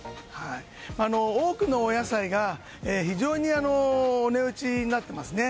多くのお野菜が非常にお値打ちになっていますね。